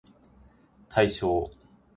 対象